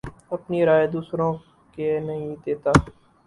اپنے رائے دوسروں کے نہیں دیتا